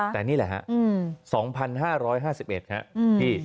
แต่นี่แหละฮะ๒๕๕๑ครับ